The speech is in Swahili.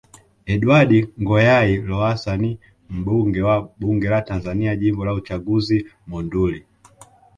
Edward Ngoyai Lowass ni mbunge wa Bunge la Tanzania Jimbo la uchaguzi Monduli